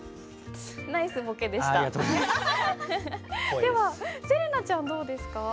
ではせれなちゃんどうですか？